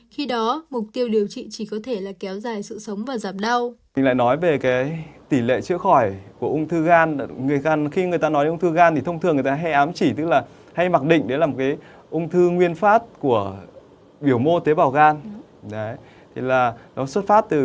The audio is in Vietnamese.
khi đó mục tiêu điều trị chỉ có thể là kéo dài sự sống và giảm đau